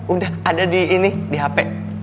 udah ada di ini di hp